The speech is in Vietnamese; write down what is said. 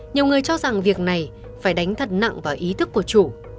nhiều người cho rằng việc này phải đánh thật nặng vào ý thức của chủ